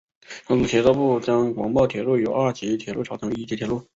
同时铁道部将广茂铁路由二级线路调整为一级线路。